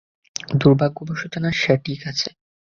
দূর্ভাগ্যবশত না, সে ঠিক আছে।